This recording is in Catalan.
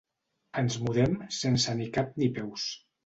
Ens mudem sense ni cap ni peus.